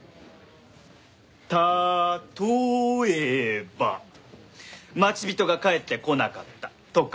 たとえば待ち人が帰ってこなかったとか。